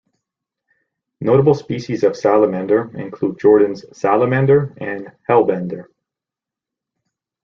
Notable species of salamander include Jordan's salamander and hellbender.